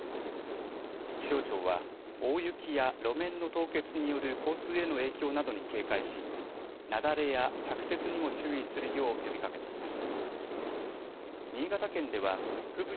気象庁は大雪や路面の凍結による交通への影響などに警戒し雪崩や着雪にも注意するよう呼びかけています。